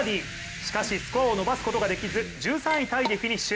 しかし、スコアを伸ばすことができず１３位タイでフィニッシュ。